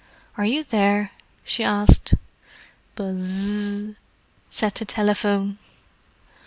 "Are you there?" she asked. "B z z z z z!" said the telephone.